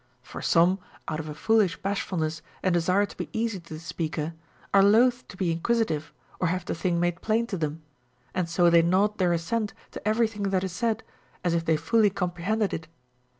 For some, out of a foolish bashfulness and desire to be easy to the speaker, are loath to be inquisitive or have the thing made plain to them, and so they nod their assent to every thing that is said, as if they fully comprelicnded it.